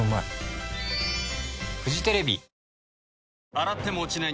洗っても落ちない